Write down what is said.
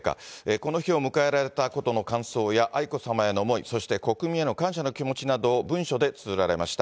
この日を迎えられたことの感想や、愛子さまへの思い、そして国民への感謝の気持ちなどを文書でつづられました。